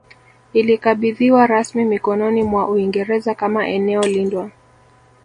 Ilikabidhiwa rasmi mikononi mwa Uingereza kama eneo lindwa